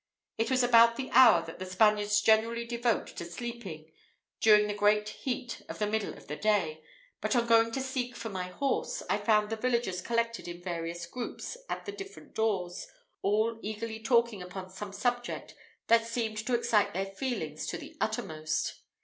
It was about the hour that the Spaniards generally devote to sleeping, during the great heat of the middle of the day, but on going to seek for my horse, I found the villagers collected in various groups at the different doors, all eagerly talking upon some subject that seemed to excite their feelings to the uttermost.